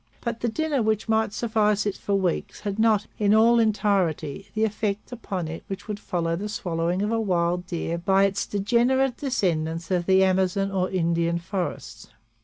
But the dinner which might suffice it for weeks had not, in all entirety, the effect upon it which would follow the swallowing of a wild deer by its degenerate descendants of the Amazonian or Indian forests.